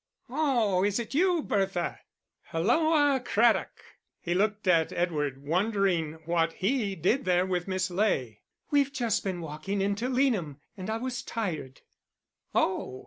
"Oh! is it you, Bertha? Hulloa, Craddock!" He looked at Edward, wondering what he did there with Miss Ley. "We've just been walking into Leanham, and I was tired." "Oh!"